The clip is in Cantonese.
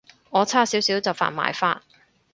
我差少少就犯埋法